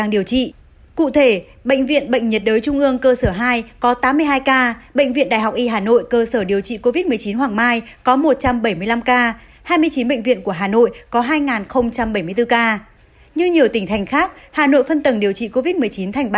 như nhiều tỉnh thành khác hà nội phân tầng điều trị covid một mươi chín thành ba tầng